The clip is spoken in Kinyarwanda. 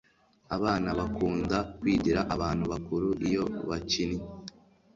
Abana bakunda kwigira abantu bakuru iyo bakinnye